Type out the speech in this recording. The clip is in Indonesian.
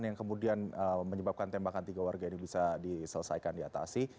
yang kemudian menyebabkan tembakan tiga warga ini bisa diselesaikan diatasi